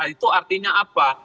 itu artinya apa